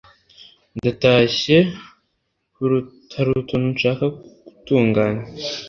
ndatashye harutuntu nshaka gutunganya